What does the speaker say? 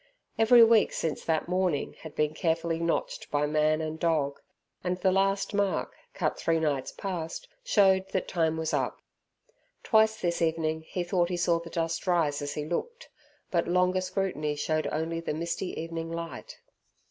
Every week since that morning had been carefully notched by man and dog, and the last mark, cut three nights past, showed that time was up. Twice this evening he thought he saw the dust rise as he looked, but longer scrutiny showed only the misty evening light.